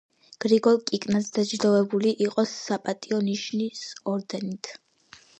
გრიგოლ კიკნაძე დაჯილდოვებული იყო საპატიო ნიშნის ორდენით.